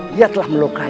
dia telah melukai